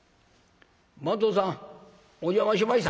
「番頭さんお邪魔しました」。